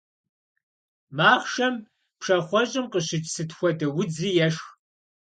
Махъшэм пшахъуэщӀым къыщыкӀ сыт хуэдэ удзри ешх.